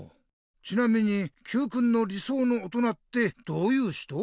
ちなみにＱくんの理想の大人ってどういう人？